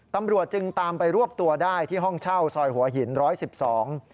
ตำรวจจึงตามไปรวบตัวได้ที่ห้องเช่าซอยหัวหิน๑๑๒